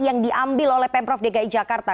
yang diambil oleh pemprov dki jakarta